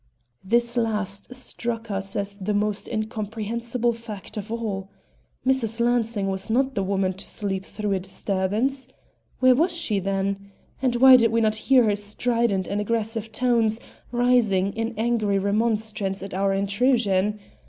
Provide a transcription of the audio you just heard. This last struck us as the most incomprehensible fact of all. Mrs. Lansing was not the woman to sleep through a disturbance. Where was she, then? and why did we not hear her strident and aggressive tones rising in angry remonstrance at our intrusion?